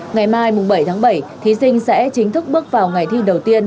ngày mai bảy tháng bảy thí sinh sẽ chính thức bước vào ngày thi đầu tiên